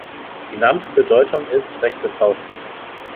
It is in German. Die Namensbedeutung ist „rechte Faust“.